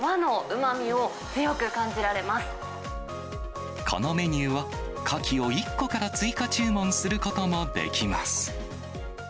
まこのメニューは、カキを１個から追加注文することもできます。